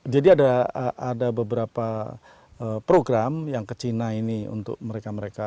jadi ada beberapa program yang ke china ini untuk mereka mereka